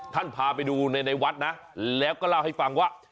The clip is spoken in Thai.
พาไปดูในวัดนะแล้วก็เล่าให้ฟังว่า